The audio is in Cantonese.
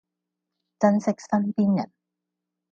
珍惜身邊人